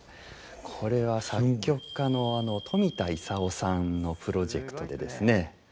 これは作曲家の冨田勲さんのプロジェクトでですね